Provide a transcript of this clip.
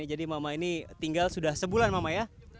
jadi mama ini tinggal sudah sebulan ya